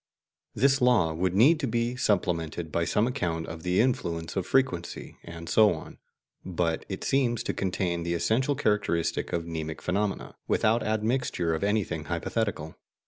This law would need to be supplemented by some account of the influence of frequency, and so on; but it seems to contain the essential characteristic of mnemic phenomena, without admixture of anything hypothetical.